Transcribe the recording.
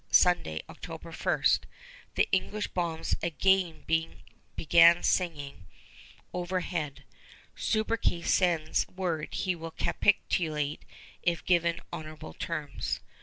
Sunday, October 1, the English bombs again began singing overhead. Subercase sends word he will capitulate if given honorable terms.